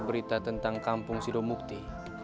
berita tentang kampung sidomukti